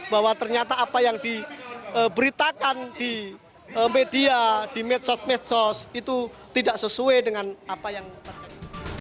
bahwa ternyata apa yang diberitakan di media di medsos medsos itu tidak sesuai dengan apa yang terjadi